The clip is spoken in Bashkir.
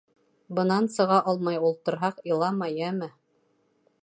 Бынан сыға алмай ултырһаҡ, илама, йәме!